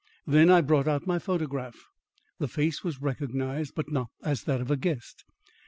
Then I brought out my photograph. The face was recognised, but not as that of a guest.